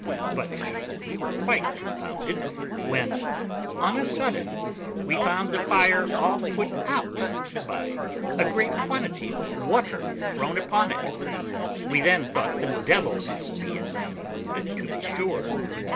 But we were quite confounded when, on a sudden, we found the fire all put out by a great quantity of water thrown upon it. We then thought the devil must be in them, to be sure.